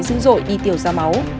dữ dội đi tiểu ra máu